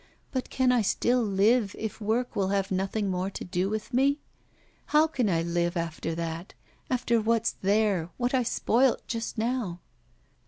But can I still live if work will have nothing more to do with me? How can I live after that, after what's there, what I spoilt just now?